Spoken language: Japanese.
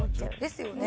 ですよね。